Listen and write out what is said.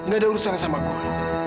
gak ada urusan yang sama gue